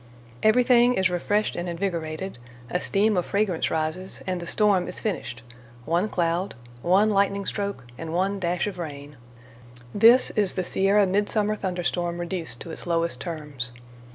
Everything is refreshed and invigorated, a steam of fragrance rises, and the storm is finished—one cloud, one lightning stroke, and one dash of rain. This is the Sierra mid summer thunder storm reduced to its lowest terms.